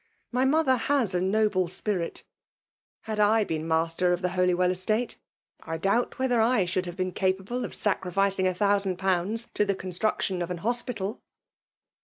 My mother has a noble spirit Had / been master of the Holywell estate, I doubt whether I should have been capable of sacrificing a thousand pounds to the construe* tion of an hospital